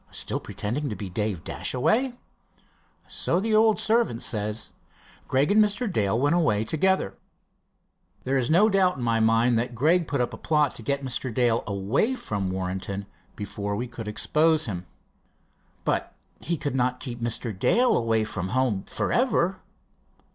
"Still pretending to be Dave Dashaway?" "So the old servant says. Gregg and Mr. Dale went away together. There is no doubt in my mind that Gregg put up a plot to get Mr. Dale away from Warrenton before we could expose him." "But he could not keep Mr. Dale away from home forever?"